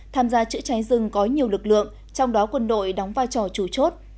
tham gia chữa cháy rừng có nhiều lực lượng trong đó quân đội đóng vai trò chủ chốt